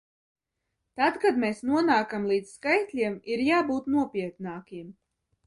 Tad, kad mēs nonākam līdz skaitļiem, ir jābūt nopietnākiem!